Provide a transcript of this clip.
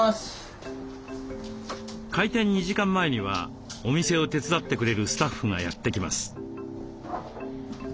開店２時間前にはお店を手伝ってくれるスタッフがやって来ます。